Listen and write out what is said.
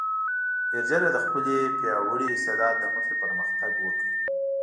ډېر ژر یې د خپل پیاوړي استعداد له مخې پرمختګ وکړ.